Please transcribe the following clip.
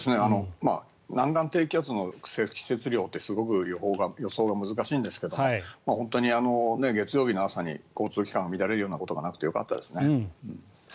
南岸低気圧の積雪量ってすごく予想が難しいんですけど本当に月曜日の朝に交通機関が乱れるようなことがなくてよかったですね。